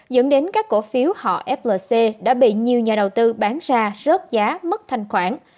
dẫn đến các cổ phiếu họ flc đã bị nhiều nhà đầu tư bán ra rớt giá mất thanh khoản